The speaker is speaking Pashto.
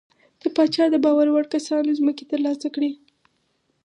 د پاچا د باور وړ کسانو ځمکې ترلاسه کړې.